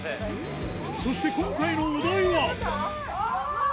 そして今回のお題は？